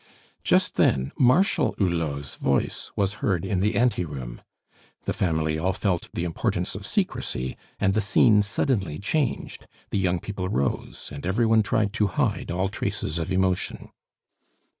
Just then Marshal Hulot's voice was heard in the anteroom. The family all felt the importance of secrecy, and the scene suddenly changed. The young people rose, and every one tried to hide all traces of emotion.